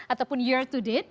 ataupun year to date